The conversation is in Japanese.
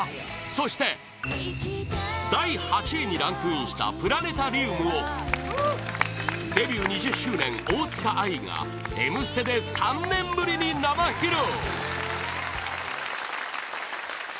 そして第８位にランクインした「プラネタリウム」をデビュー２０周年、大塚愛が「Ｍステ」で３年ぶりに生披露